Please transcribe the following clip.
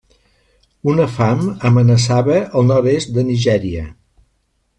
Una fam amenaçava al nord-est de Nigèria.